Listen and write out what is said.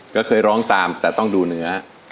ก็เคยร้องตามแต่ต้องดูเนื้อ